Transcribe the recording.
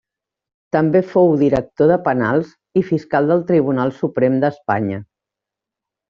També fou Director de Penals i fiscal del Tribunal Suprem d'Espanya.